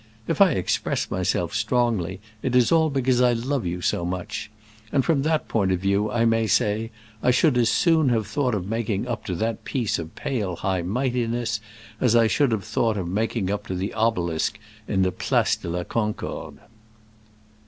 If I express myself strongly it is all because I love you so much; and from that point of view I may say I should as soon have thought of making up to that piece of pale high mightiness as I should have thought of making up to the Obelisk in the Place de la Concorde."